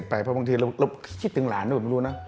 เพราะบางทีเราคิดถึงหลานด้วยผมไม่รู้นะ